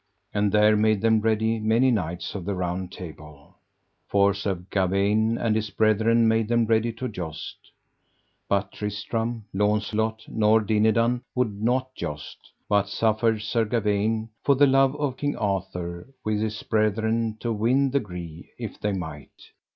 And there made them ready many knights of the Round Table, for Sir Gawaine and his brethren made them ready to joust; but Tristram, Launcelot, nor Dinadan, would not joust, but suffered Sir Gawaine, for the love of King Arthur, with his brethren, to win the gree if they might.